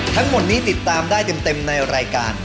ทั้งหมดนี้ติดตามได้เต็มในรายการ